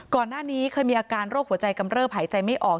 ก่อนหน้านี้เคยมีอาการโรคหัวใจกำเริบหายใจไม่ออก